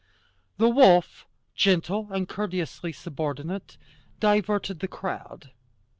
The wolf, gentle and courteously subordinate, diverted the crowd.